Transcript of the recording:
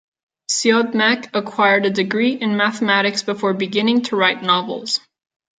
Siodmak acquired a degree in mathematics before beginning to write novels.